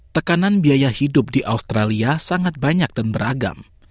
tekanan biaya hidup di australia sangat banyak dan beragam